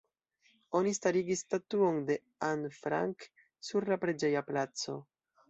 Oni starigis statuon de Anne Frank sur la preĝeja placo.